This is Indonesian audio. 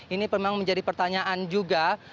ini memang menjadi pertanyaan juga